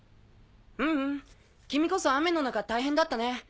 ううん君こそ雨の中大変だったね。